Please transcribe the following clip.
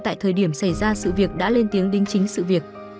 tại thời điểm xảy ra sự việc đã lên tiếng đính chính sự việc